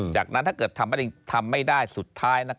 จากนั้นถ้าเกิดทำไม่ได้สุดท้าย